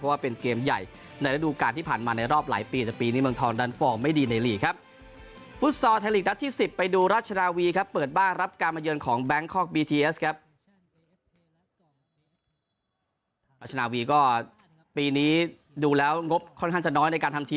ราชนาวีก็ปีนี้ดูแล้วงบค่อนข้างจะน้อยในการทำทีม